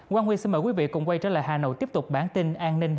quang huy xin mời quý vị cùng quay trở lại hà nội tiếp tục bản tin an ninh hai mươi bốn h